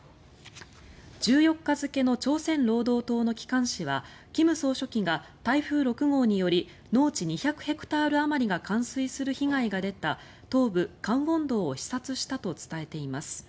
１４日付の朝鮮労働党の機関紙は金総書記が台風６号により農地２００ヘクタールあまりが冠水する被害が出た東部江原道を視察したと伝えています。